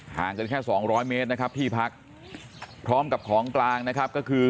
ห่างกันแค่สองร้อยเมตรนะครับที่พักพร้อมกับของกลางนะครับก็คือ